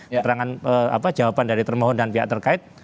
keterangan jawaban dari termohon dan pihak terkait